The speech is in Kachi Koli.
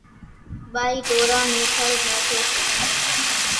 ٻائِي ڍوران نين کڙ ناکيَ سي۔